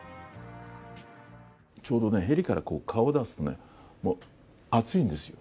ちょうどね、へりから顔を出すとね、もう熱いんですよ。